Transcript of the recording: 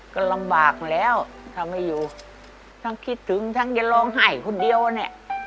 ก็ลำบากแล้วถ้าไม่อยู่ทั้งคิดถึงทั้งจะร้องไห้คนเดียวเนี่ย